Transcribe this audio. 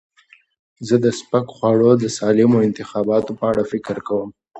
زه د سپک خواړو د سالمو انتخابونو په اړه فکر کوم.